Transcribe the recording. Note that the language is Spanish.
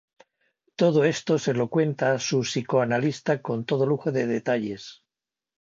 Todo esto se lo cuenta a su psicoanalista con todo lujo de detalles.